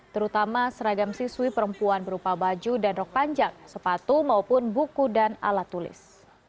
terutama seragam siswi perempuan berupa baju dan rok panjang sepatu maupun buku dan alat tulis